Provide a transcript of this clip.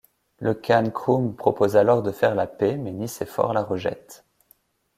Le khan Kroum propose alors de faire la paix, mais Nicéphore la rejette.